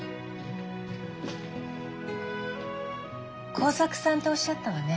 耕作さんっておっしゃったわね。